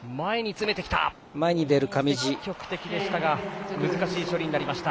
積極的でしたが難しい処理になりました。